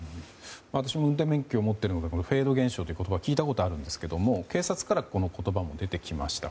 私も運転免許を持っているのでフェード現象という言葉は聞いたことあるんですけど警察から、この言葉が出てきました。